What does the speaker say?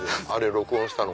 録音したの。